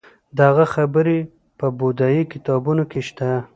د هغه خبرې په بودايي کتابونو کې شته